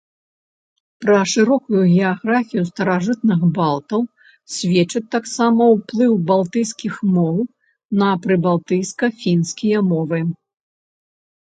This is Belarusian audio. Пра шырокую геаграфію старажытных балтаў сведчыць таксама ўплыў балтыйскіх моў на прыбалтыйска-фінскія мовы.